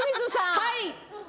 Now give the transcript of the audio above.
はい！